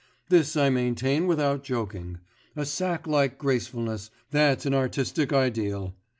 This I maintain without joking; a sack like gracefulness, that's an artistic ideal.